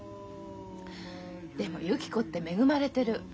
でもゆき子って恵まれてる。